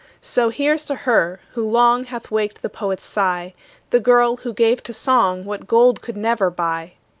So here's to her, who long Hath waked the poet's sigh, The girl, who gave to song What gold could never buy.